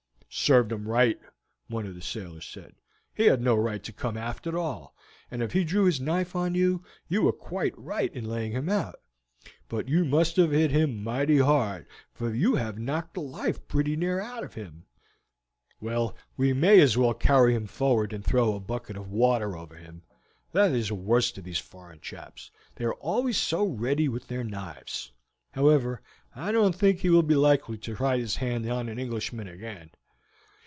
"Served him right," one of the sailors said. "He had no right to come aft at all, and if he drew his knife on you, you were quite right in laying him out. But you must have hit him mighty hard, for you have knocked the life pretty near out of him. Well, we may as well carry him forward and throw a bucket of water over him. That is the worst of these foreign chaps; they are always so ready with their knives. However, I don't think he will be likely to try his hand on an Englishman again."